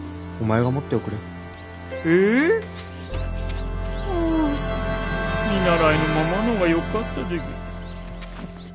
はあ見習いのままのほうがよかったでげす。